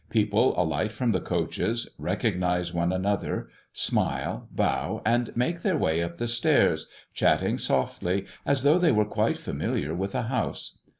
People alight from the coaches, recognize one another, smile, bow, and make their way up the stairs, chatting softly as though they were quite familiar with the house.